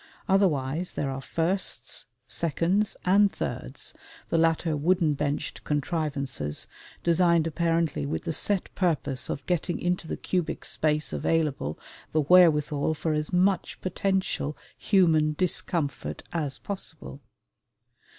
Otherwise there are firsts, seconds, and thirds, the latter wooden benched contrivances, designed apparently with the set purpose of getting into the cubic space available the wherewithal for as much potential human discomfort as possible.